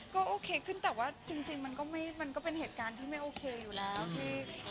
ก็โอเคขึ้นแต่ว่าจริงมันก็เป็นเหตุการณ์ที่ไม่โอเคอยู่แล้วที่